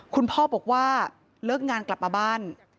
คุณพ่อบอกว่าเลิกงานกลับมาบ้าน